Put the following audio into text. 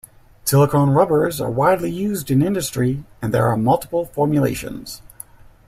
Silicone rubbers are widely used in industry, and there are multiple formulations.